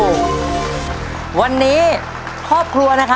ใช่นักร้องบ้านนอก